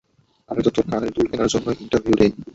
আমি তো তোর কানের দুল কেনার জন্যই ইন্টারভিউ দেই।